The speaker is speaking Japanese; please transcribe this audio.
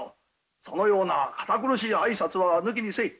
そのような堅苦しい挨拶は抜きにせい。